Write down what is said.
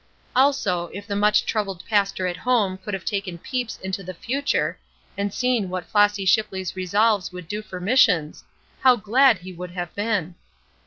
Also, if the much troubled pastor at home could have taken peeps into the future and seen what Flossy Shipley's resolves would do for Missions, how glad he would have been!